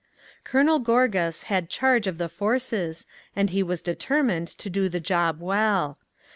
Colonel Gorgas had charge of the forces and he was determined to do the job well.